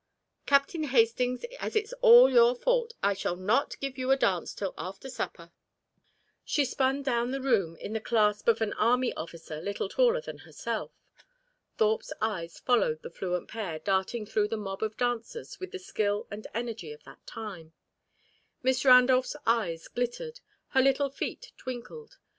_ Captain Hastings, as it's all your fault, I shall not give you a dance till after supper." She spun down the room in the clasp of an army officer little taller than herself. Thorpe's eyes followed the fluent pair darting through the mob of dancers with the skill and energy of that time. Miss Randolph's eyes glittered, her little feet twinkled.